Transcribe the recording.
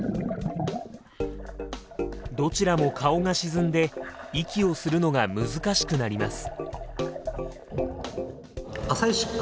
どちらも顔が沈んで息をするのが難しくなります。